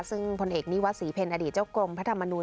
ซึ่งพลเอกนิวัตรศรีเพ็ญอดีตเจ้ากรมพระธรรมนูล